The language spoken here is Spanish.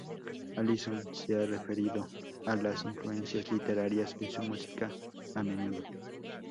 Alison se ha referido a las influencias literarias en su música a menudo.